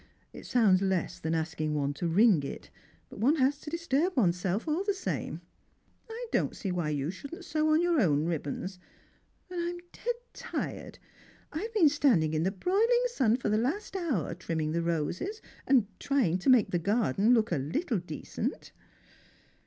It sounds less than asking one to ring it; but one has to disturb oneself all the same. I don't see why you shouldn't sew on your own ribbons ; and I'm dead tired — I've been standing in the broiling sun for the last hour, trimming the roses, and trying to make the garden look a little decent."